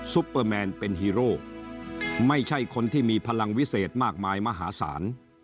ปเปอร์แมนเป็นฮีโร่ไม่ใช่คนที่มีพลังวิเศษมากมายมหาศาล